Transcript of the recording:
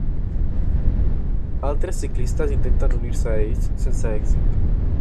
Altres ciclistes intenten unir-se a ells, sense èxit.